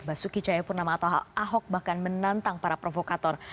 basuki chaya purnama atau ahok bahkan menantang para provokator